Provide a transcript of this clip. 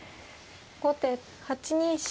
後手８二飛車。